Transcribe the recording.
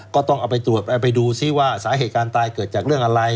ก็ต้องไปดูซิว่าสาเหตุการตายเกิดจากเรื่องอะไร